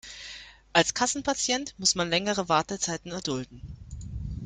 Als Kassenpatient muss man längere Wartezeiten erdulden.